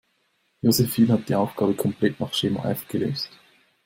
Josephine hat die Aufgabe komplett nach Schema F gelöst.